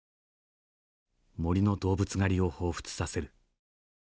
森の動物狩りをほうふつさせる。